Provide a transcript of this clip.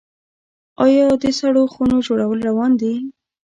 آیا د سړو خونو جوړول روان دي؟